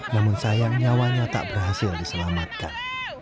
namun sayang nyawanya tak berhasil diselamatkan